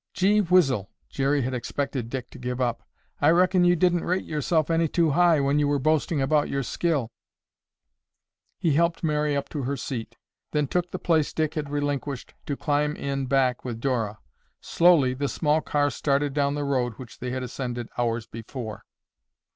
"Gee whizzle!" Jerry had expected Dick to give up. "I reckon you didn't rate yourself any too high when you were boasting about your skill." He helped Mary up to her seat, then took the place Dick had relinquished to climb in back with Dora. Slowly the small car started down the road which they had ascended hours before.